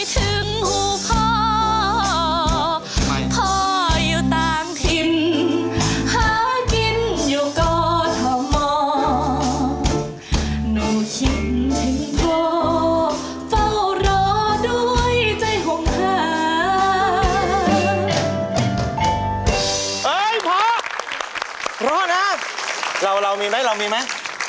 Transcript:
เฮ้ยพอรอนะเรามีไหมเรามีไหม